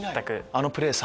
「あのプレーさ」